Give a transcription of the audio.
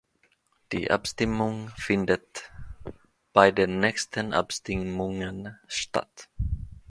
Die Abstimmung findet bei den nächsten Abstimmungen statt.